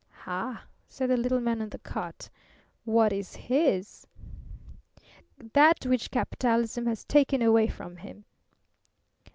"Ha!" said the little man on the cot. "What is his?" "That which capitalism has taken away from him."